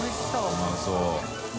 うまそう。